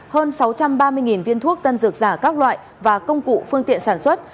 hơn sáu trăm ba mươi viên thuốc tân dược giả các loại và công cụ phương tiện sản xuất